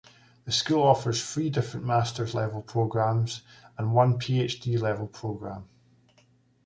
The school offers three different Masters level programs, and one PhD level program.